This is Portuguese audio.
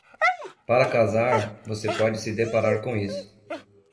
Para casar, você pode se deparar com isso.